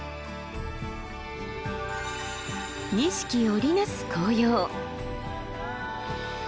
錦織り成す紅葉。